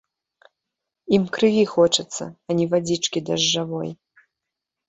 Ім крыві хочацца, а не вадзічкі дажджавой.